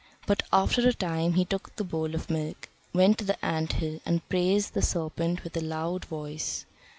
But after a time, he took the bowl of milk, went to the ant hill, and praised the serpent with a loud voice.